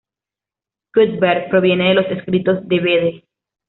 Cuthbert", provienen de los escritos de "Bede".